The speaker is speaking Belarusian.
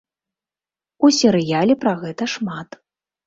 У серыяле пра гэта шмат.